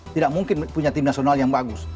tidak mungkin punya tim nasional yang bagus